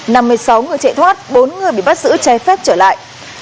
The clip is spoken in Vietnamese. năm mươi sáu người chạy thoát bốn người bị bắt giữ trái phép trở lại